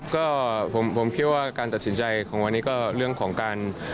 ก็ผมคิดว่าการตัดสินใจของวันนี้ก็เรื่องของการ